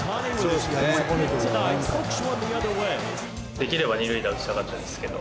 できれば二塁打打ちたかったですけど。